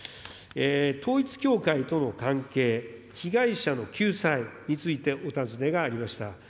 統一教会との関係、被害者の救済についてお尋ねがありました。